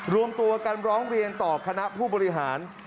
รวมตัวกันร้องเรียนต่อคณะผู้บริหาร